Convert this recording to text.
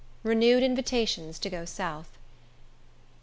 Renewed Invitations To Go South.